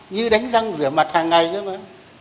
như đánh răng rửa mặt hàng ngày đó mà